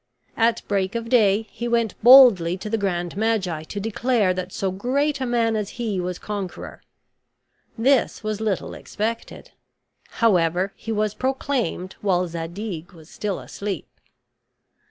At break of day he went boldly to the grand magi to declare that so great a man as he was conqueror. This was little expected; however, he was proclaimed while Zadig was still asleep.